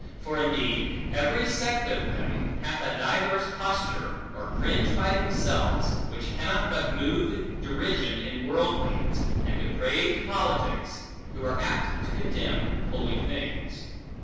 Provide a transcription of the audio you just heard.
For indeed, every sect of them, hath a diverse posture, or cringe by themselves, which cannot but move derision in worldlings, and depraved politics, who are apt to contemn holy things.